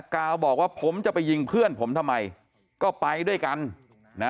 กาวบอกว่าผมจะไปยิงเพื่อนผมทำไมก็ไปด้วยกันนะ